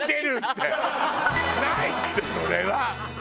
それは。